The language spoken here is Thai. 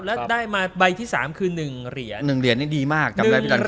แล้วได้มาใบที่๓คือ๑เหรียญ๑เหรียญนี่ดีมากจำได้พี่ตันครับ